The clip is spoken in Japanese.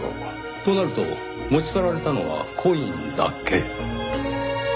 となると持ち去られたのはコインだけ。